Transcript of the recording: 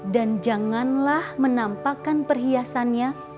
dan janganlah menampakan perhiasannya